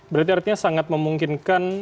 berarti artinya sangat memungkinkan